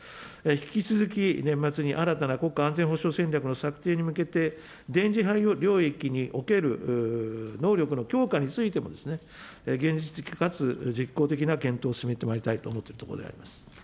引き続き、年末に新たな国家安全保障戦略の策定に向けて、電磁波領域における能力の強化についても、現実的かつ実効的な検討を進めてまいりたいと思っているとこ